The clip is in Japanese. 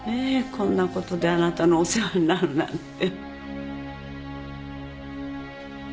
こんなことであなたのお世話になるなんて。